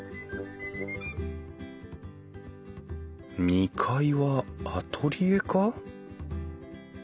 ２階はアトリエか？